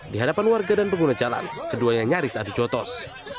di hadapan warga dan pengguna jalan keduanya nyaris adu jotos